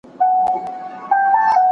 کابل د تل لپاره زموږ د ټولو شریک کور دی.